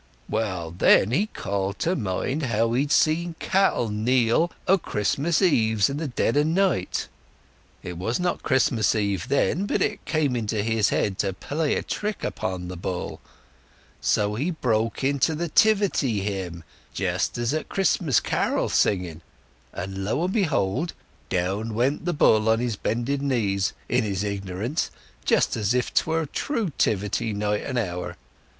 Well, then he called to mind how he'd seen the cattle kneel o' Christmas Eves in the dead o' night. It was not Christmas Eve then, but it came into his head to play a trick upon the bull. So he broke into the 'Tivity Hymm, just as at Christmas carol singing; when, lo and behold, down went the bull on his bended knees, in his ignorance, just as if 'twere the true 'Tivity night and hour.